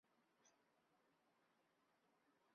人参被珍视为一种适应原。